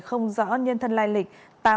không rõ nhân thân lai lịch